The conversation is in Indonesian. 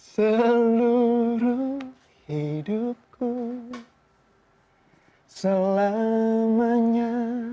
seluruh hidupku selamanya